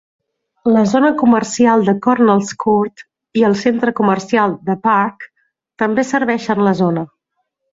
La zona comercial de Cornelscourt i el centre comercial "The Park" també serveixen la zona.